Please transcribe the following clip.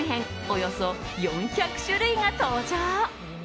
およそ４００種類が登場。